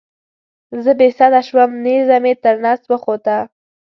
زه بې سده شوم نیزه مې تر نس وخوته.